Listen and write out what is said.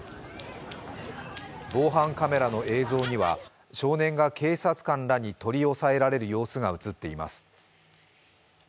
防犯カメラの映像には、少年が警察官らに取り押さえられる様子が映っています。